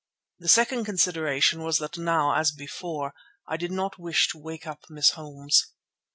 The second consideration was that now as before I did not wish to wake up Miss Holmes.